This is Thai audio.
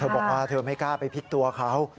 บอกว่าเธอไม่กล้าไปพิษตัวเขา